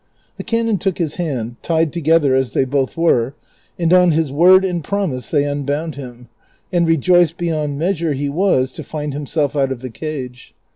The canon took his hand, tied together as they both were, and on his word and promise they unbound him, and rejoiced beyond measure he was to find himself out of the cage.